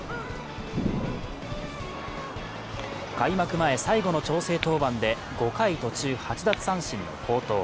開幕前最後の調整登板で５回途中８奪三振の好投。